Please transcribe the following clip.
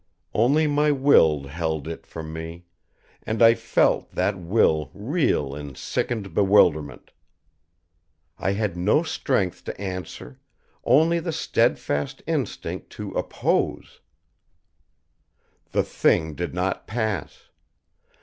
Only my will held It from me, and I felt that will reel in sickened bewilderment. I had no strength to answer, only the steadfast instinct to oppose. The Thing did not pass.